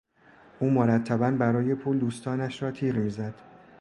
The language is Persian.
او مرتبا برای پول دوستانش را تیغ میزد.